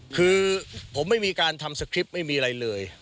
คือผมไม่มีการทำสคริปต์ไม่มีอะไรเลย